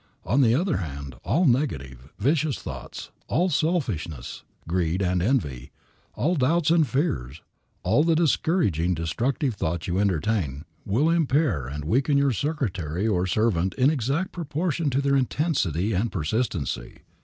On the other hand, all negative, vicious thoughts, all selfishness, greed and envy, all doubts and fears, all the discouraging, destructive thoughts you entertain, will impair and weaken your secretary or servant in exact proportion to their intensity and persistency.